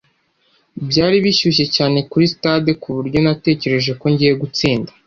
byari bishyushye cyane kuri stade kuburyo natekereje ko ngiye gutsinda